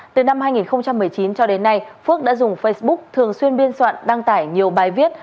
từ năm hai nghìn một mươi chín cho đến nay phước đã dùng facebook thường xuyên biên soạn đăng tải nhiều bài viết